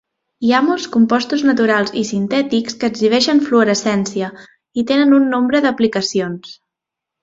Hi ha molts compostos naturals i sintètics que exhibeixen fluorescència, i tenen un nombre d'aplicacions.